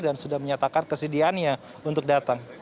dan sudah menyatakan kesidiannya untuk datang